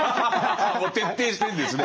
もう徹底してるんですね。